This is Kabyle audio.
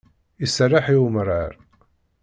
Iserreḥ i umrar.